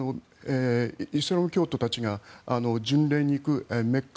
イスラム教徒たちが巡礼に行くメッカ。